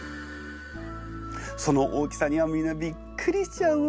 その大きさには皆びっくりしちゃうわ。